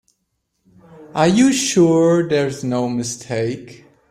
Are you sure there's no mistake?